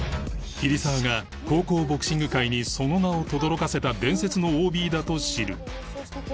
桐沢が高校ボクシング界にその名をとどろかせた伝説の ＯＢ だと知る